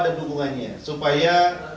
dan dukungannya supaya